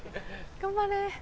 頑張れ。